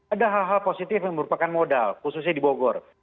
ada hal hal positif yang merupakan modal khususnya di bogor